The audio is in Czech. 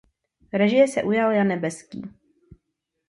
Režie se ujal Jan Nebeský.